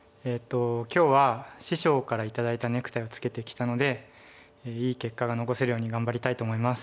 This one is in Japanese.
今日は師匠から頂いたネクタイをつけてきたのでいい結果が残せるように頑張りたいと思います。